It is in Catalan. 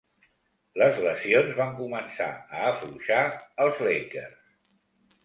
Les lesions van començar a afluixar els Lakers.